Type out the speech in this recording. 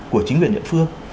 của chính quyền địa phương